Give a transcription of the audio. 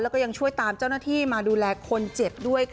แล้วก็ยังช่วยตามเจ้าหน้าที่มาดูแลคนเจ็บด้วยค่ะ